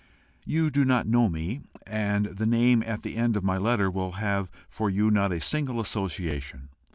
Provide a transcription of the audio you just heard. You do not know me, and the name at the end of my letter will have for you not a single association.